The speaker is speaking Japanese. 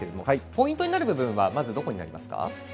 ポイントになる部分はまずどこになりますか？